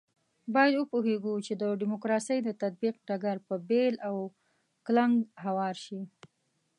باید وپوهېږو چې د ډیموکراسۍ د تطبیق ډګر په بېل او کلنګ هوار شي.